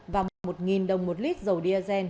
và một đồng một lít dầu diesel